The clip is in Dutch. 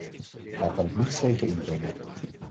Daar kan ik niets tegen inbrengen.